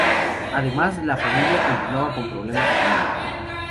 Además, la familia continuaba con problemas económicos.